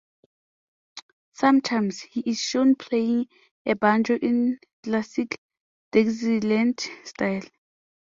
Sometimes, he is shown playing a banjo in classic Dixieland style.